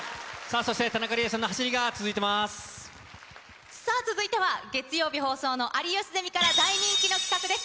そして、田中理恵さんの走りが続さあ、続いては、月曜日放送の有吉ゼミから大人気の企画です。